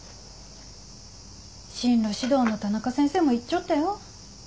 進路指導の田中先生も言っちょったよ。